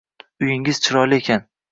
Uyingiz chiroyli ekan